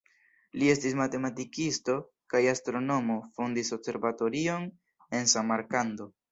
Li estis matematikisto kaj astronomo, fondis observatorion en Samarkando.